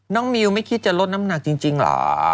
มิวไม่คิดจะลดน้ำหนักจริงเหรอ